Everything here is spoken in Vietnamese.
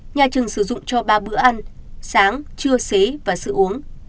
nhà trường sử dụng cho ba bữa ăn sáng trưa xế và sữa uống